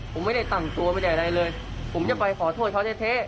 ผมไม่ได้ตั่งตัวไปใดเลยผมจะไปขอโทษเขาเท่